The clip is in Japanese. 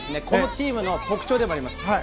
このチームの特徴でもあります。